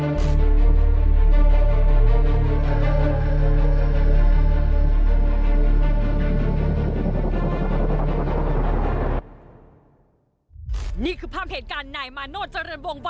เรื่องนี้เกิดอะไรขึ้นไปเจาะลึกประเด็นร้อนจากรายงานค่ะ